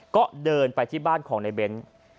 ก็เดินไปที่บ้านของในเบ้น